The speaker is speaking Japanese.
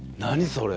それ。